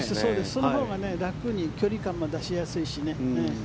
そのほうが楽に距離感も出しやすいしね。